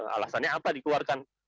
alasannya apa dikeluarkan